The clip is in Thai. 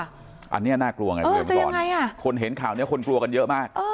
อันเนี่ยน่ากลัวไงคนเห็นข่าวนี้คนกลัวกันเยอะมาก